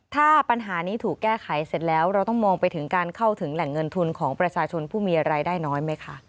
ถ้าปัญหานี้ถูกแก้ไขเสร็จแล้วเราต้องมองไปถึงการเข้าถึงแหล่งเงินทุนของประชาชนผู้มีรายได้น้อยไหมคะ